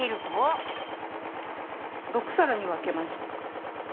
・６さらに分けました。